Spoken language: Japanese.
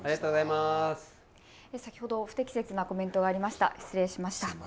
先ほど不適切なコメントがありました。